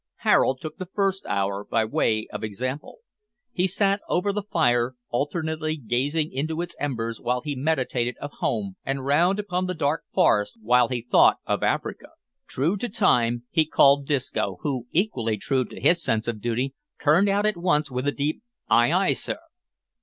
Harold took the first hour by way of example. He sat over the fire, alternately gazing into its embers while he meditated of home, and round upon the dark forest while he thought of Africa. True to time, he called Disco, who, equally true to his sense of duty, turned out at once with a deep "Ay, ay, sir."